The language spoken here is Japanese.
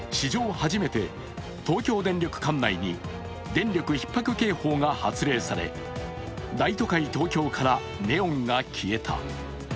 初めて東京電力館内に電力ひっ迫警報が発令され大都会・東京からネオンが消えた。